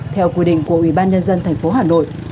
theo quy định của ubnd tp hà nội